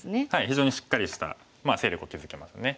非常にしっかりした勢力を築けますね。